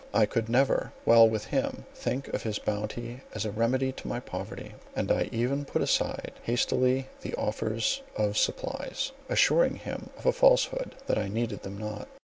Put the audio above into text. I could never, while with him, think of his bounty as a remedy to my poverty; and I even put aside hastily his offers of supplies, assuring him of a falsehood, that I needed them not.